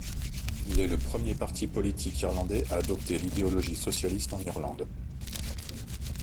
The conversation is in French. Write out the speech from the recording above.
Il est le premier parti politique irlandais à adopter l’idéologie socialiste en Irlande.